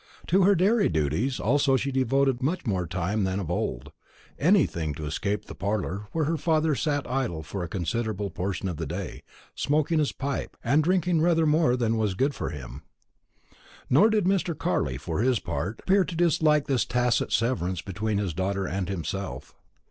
To her dairy duties also she devoted much more time than of old; anything to escape the parlour, where her father sat idle for a considerable portion of the day, smoking his pipe, and drinking rather more than was good for him. Nor did Mr. Carley, for his part, appear to dislike this tacit severance between his daughter and himself.